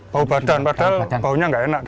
bau badan padahal baunya nggak enak